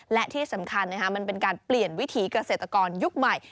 และที่สำคัญมันเป็นการเปลี่ยนวิถีเกษตรกรยุคใหม่